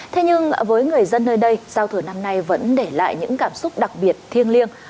thế nhưng với người dân nơi đây giao thừa năm nay vẫn để lại những cảm xúc đặc biệt thiêng liêng